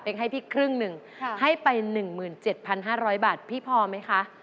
ให้พี่ครึ่งหนึ่งให้ไป๑๗๕๐๐บาทพี่พอไหมคะ